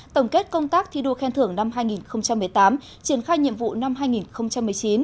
tổng kết công tác thi đua khen thưởng năm hai nghìn một mươi tám triển khai nhiệm vụ năm hai nghìn một mươi chín